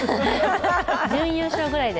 準優勝ぐらいで。